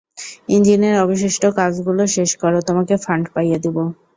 ইঞ্জিনের অবশিষ্ট কাজগুলো শেষ করো, তোমাকে ফান্ড পাইয়ে দেব!